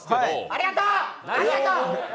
ありがとう！